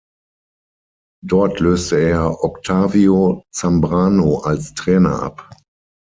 Dort löste er Octavio Zambrano als Trainer ab.